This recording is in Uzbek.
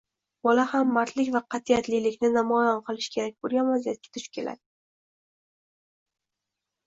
bola ham mardlik va qat’iyatlilikni namoyon qilishi kerak bo‘lgan vaziyatga duch keladi.